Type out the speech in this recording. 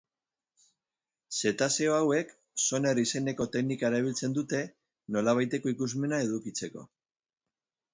Zetazeo hauek, sonar izeneko teknika erabiltzen dute, nolabaiteko ikusmena edukitzeko.